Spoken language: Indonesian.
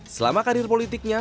selama karir politiknya